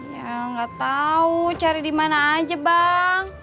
ya gak tau cari dimana aja bang